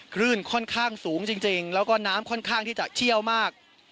คลื่นค่อนข้างสูงจริงแล้วก็น้ำค่อนข้างที่จะเชี่ยวมาก